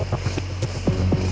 tak ada kelebihan